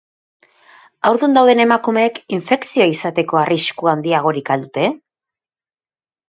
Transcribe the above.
Haurdun dauden emakumeek infekzioa izateko arrisku handiagorik al dute?